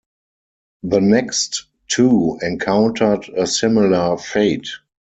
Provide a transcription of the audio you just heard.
The next two encountered a similar fate.